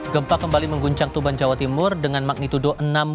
gempa kembali mengguncang tuban jawa timur dengan magnitudo enam satu